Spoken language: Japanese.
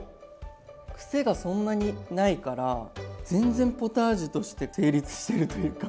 くせがそんなにないから全然ポタージュとして成立してるというか。